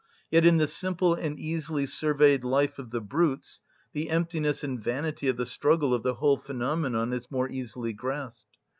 Yet in the simple and easily surveyed life of the brutes the emptiness and vanity of the struggle of the whole phenomenon is more easily grasped.